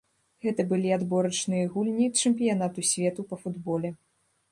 Гэта былі адборачныя гульні чэмпіянату свету па футболе.